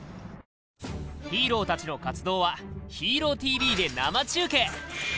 ヒーローたちの活動は「ＨＥＲＯＴＶ」で生中継！